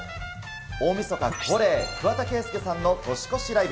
大みそか恒例、桑田佳祐さんの年越しライブ。